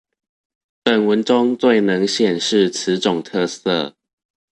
本文中最能顯示此種特色